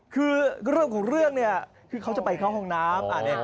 เรื่องของเรื่องนี้เขาจะไปเข้าห้องน้ำ